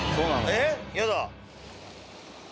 えっやだ。